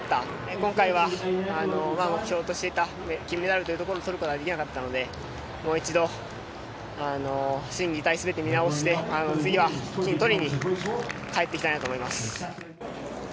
今回は目標としていた金メダルをとることはできなかったのでもう一度、心技体全て見直して次は金とりに帰ってきたいなと思います。